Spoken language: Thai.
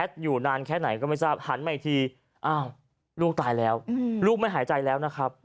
ลูกตายแล้วลูกไม่หายใจแล้วนะครับ